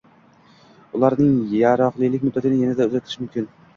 Ularning yaroqlilik muddatini yanada uzaytirish mumkin.